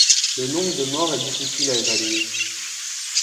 Le nombre de morts est difficile à évaluer.